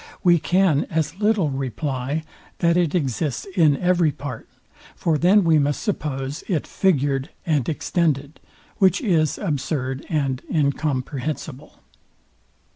We can as little reply, that it exists in every part: For then we must suppose it figured and extended; which is absurd and incomprehensible.